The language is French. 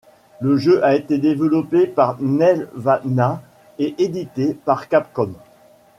Le jeu a été développé par Nelvana et édité par Capcom.